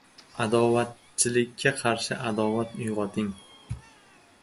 Adovatchilikka qarshi adovat uygoting.